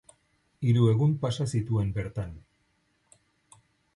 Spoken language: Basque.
Hiru egun pasa zituen bertan.